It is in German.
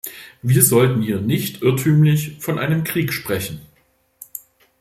Wir sollten hier nicht irrtümlich von einem Krieg sprechen.